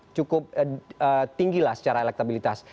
cukup tinggi lah secara elektabilitas